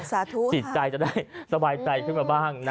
จิตใจจะได้สบายใจขึ้นมาบ้างนะ